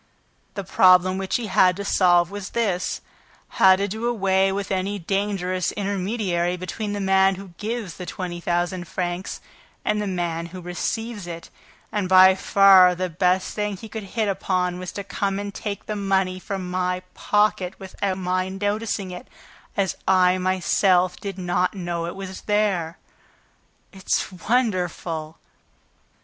The problem which he had to solve was this: how to do away with any dangerous intermediary between the man who gives the twenty thousand francs and the man who receives it. And by far the best thing he could hit upon was to come and take the money from my pocket without my noticing it, as I myself did not know that it was there. It's wonderful!"